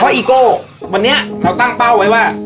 อีโก้วันนี้เราตั้งเป้าไว้ว่า